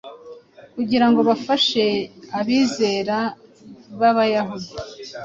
kugira ngo bafashe abizera b’Abayahudi,